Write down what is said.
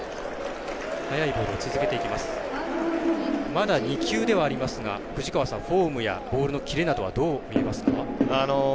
まだ２球ではありますがフォームやボールのキレなどはどう見えますか？